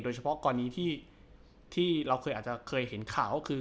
โดยเฉพาะก่อนนี้ที่ที่เราอาจจะเคยเห็นข่าว